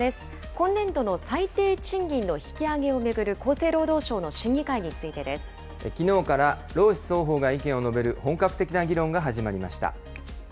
今年度の最低賃金の引き上げを巡る厚生労働省の審議会についてできのうから労使双方が意見を述べる本格的な議論が始まりました。